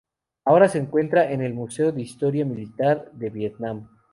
Ahora se encuentra en el Museo de Historia Militar de Vietnam.